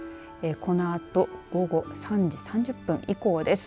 このあと午後３時３０分以降です。